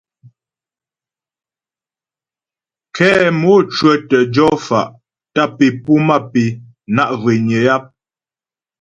Kɛ mò cwə̌tə jɔ fa' tâp é puá mâp é na' zhwényə yap.